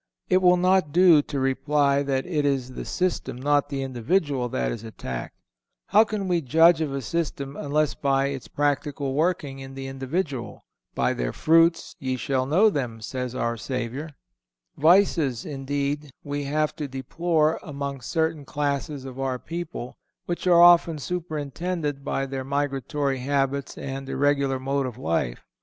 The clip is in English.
It will not do to reply that it is the system, not the individual, that is attacked. How can we judge of a system unless by its practical working in the individual? "By their fruits ye shall know them," says our Redeemer. Vices, indeed, we have to deplore among certain classes of our people, which are often superinduced by their migratory habits and irregular mode of life.